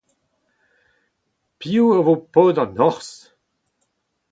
Piv a vo paotr an horzh !